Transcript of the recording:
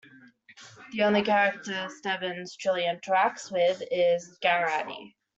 The only character Stebbins truly interacts with is Garraty.